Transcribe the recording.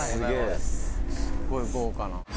すごい豪華な。